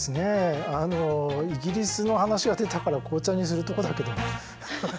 イギリスの話が出たから紅茶にするとこだけど。